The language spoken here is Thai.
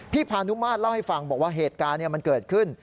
พานุมาตรเล่าให้ฟังบอกว่าเหตุการณ์มันเกิดขึ้น